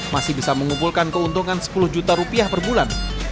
masih bisa mengumpulkan keuntungan sepuluh juta rupiah per bulan